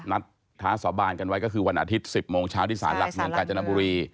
ท้าสาบานกันไว้ก็คือวันอาทิตย์๑๐โมงเช้าที่สารหลักเมืองกาญจนบุรี